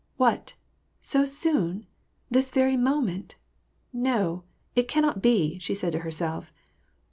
" What ! so soon ? this very moment ?— No : it cannot be !" she said to herself.